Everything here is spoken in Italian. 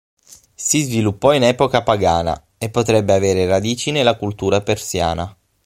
Si sviluppò in epoca pagana, e potrebbe avere radici nella cultura persiana.